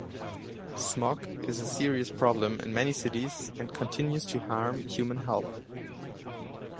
Smog is a serious problem in many cities and continues to harm human health.